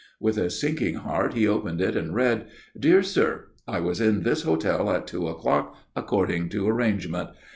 With a sinking heart he opened it and read: DEAR SIR, I was in this hotel at two o'clock, according to arrangement.